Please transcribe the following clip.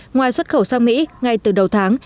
ngoài xuất khẩu sang mỹ ngay từ đầu tháng